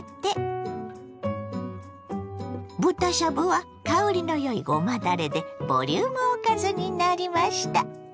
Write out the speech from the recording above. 豚しゃぶは香りのよいごまだれでボリュームおかずになりました。